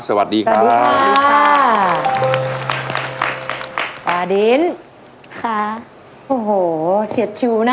สวัสดีค่ะสวัสดีค่ะสวัสดีค่ะปาดินค่ะโอ้โหเสียดชูนะ